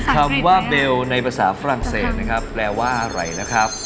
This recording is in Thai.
คำว่าเบลในภาษาฝรั่งเศสนะครับแปลว่าอะไรนะครับ